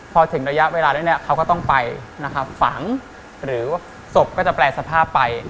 พอจนไปฝังหรือศพก็จะแปลสภาพไป